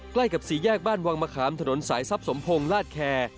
ใกล้กับสี่แยกบ้านวังมะขามถนนสายทรัพย์สมพงศ์ลาดแคร์